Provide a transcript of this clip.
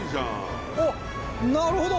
おっなるほど！